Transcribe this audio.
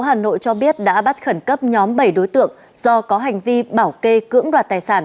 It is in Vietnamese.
hà nội cho biết đã bắt khẩn cấp nhóm bảy đối tượng do có hành vi bảo kê cưỡng đoạt tài sản